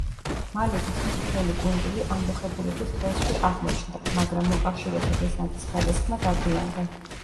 მალე თითქმის მთელი კუნძული ამბოხებულების ხელში აღმოჩნდა, მაგრამ მოკავშირეთა დესანტის გადასხმა დაგვიანდა.